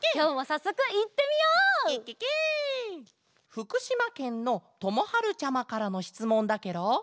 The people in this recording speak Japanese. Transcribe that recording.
ふくしまけんのともはるちゃまからのしつもんだケロ。